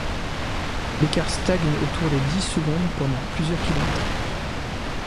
L'écart stagne autour des dix secondes pendant plusieurs kilomètres.